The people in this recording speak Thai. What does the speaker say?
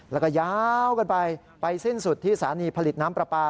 แล้วก็ยาวกันไปไปสิ้นสุดที่สถานีผลิตน้ำปลาปลา